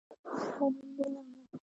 حق منل میړانه ده